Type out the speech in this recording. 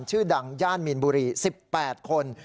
ชื่อดังย่านมีนบุรี๑๘คน